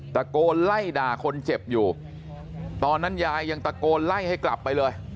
ตะโกนไล่ด่าคนเจ็บอยู่ตอนนั้นยายยังตะโกนไล่ให้กลับไปเลย